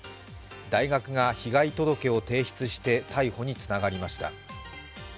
大学が被害届を提出して逮捕につながりました。